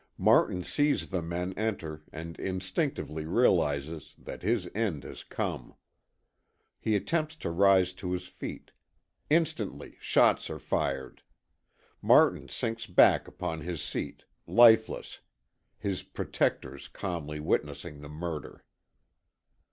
Martin sees the men enter and instinctively realizes that his end has come. He attempts to rise to his feet. Instantly shots are fired. Martin sinks back upon his seat, lifeless, his "protectors" calmly witnessing the murder.